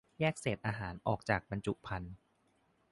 - แยกเศษอาหารออกจากบรรจุภัณฑ์